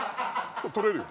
取れるよ。